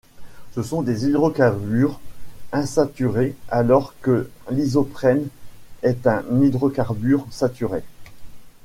Ce sont des hydrocarbures insaturés alors que l'isoprène est un hydrocarbure saturé.